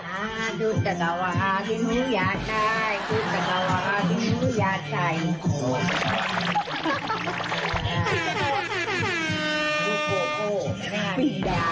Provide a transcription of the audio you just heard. ดูจ๊ะชุดจัตวาที่มึงอยากได้